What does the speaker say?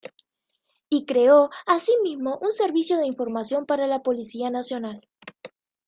Y creó asimismo un servicio de información para la Policía Nacional.